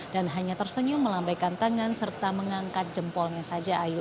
dan hanya tersenyum melambaikan tangan serta mengangkat jempolnya saja ayu